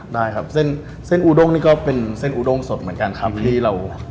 ได้ครับเส้นอูด้งนี่ก็เป็นเส้นอูด้งสดเหมือนกันครับ